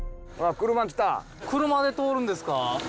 クルマで通るんですか？